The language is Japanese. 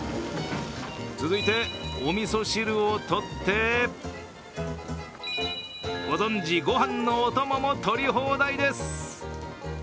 続いて、おみそ汁を取って、ご存じご飯のお供も取り放題です。